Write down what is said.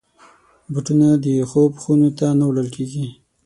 بوټونه د خوب خونو ته نه وړل کېږي.